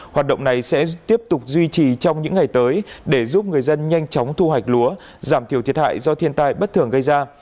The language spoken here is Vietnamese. hoạt động này sẽ tiếp tục duy trì trong những ngày tới để giúp người dân nhanh chóng thu hoạch lúa giảm thiểu thiệt hại do thiên tai bất thường gây ra